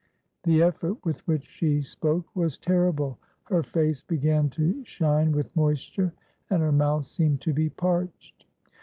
The effort with which she spoke was terrible. Her face began to shine with moisture, and her mouth seemed to be parched.